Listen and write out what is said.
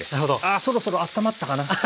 あそろそろあったまったかな？